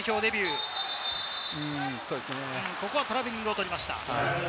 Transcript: ここはトラベリングを取りました。